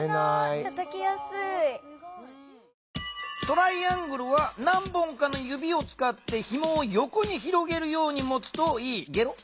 トライアングルは何本かのゆびをつかってひもをよこに広げるようにもつといいゲロ。